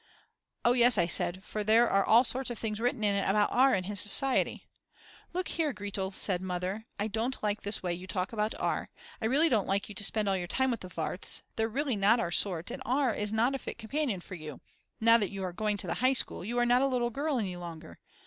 Oh yes, I said, for there are all sorts of things written in it about R. and his society. Look here, Gretel, said Mother, I don't like this way you talk about R.; I really don't like you to spend all your time with the Warths; they're really not our sort and R. is not a fit companion for you; now that you are going to the high school you are not a little girl any longer.